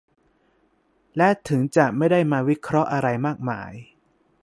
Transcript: และถึงจะไม่ได้มาวิเคราะห์อะไรมากมาย